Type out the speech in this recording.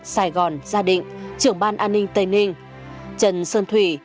sài gòn gia định